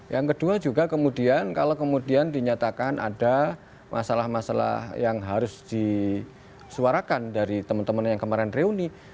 yang kedua juga kemudian kalau kemudian dinyatakan ada masalah masalah yang harus disuarakan dari teman teman yang kemarin reuni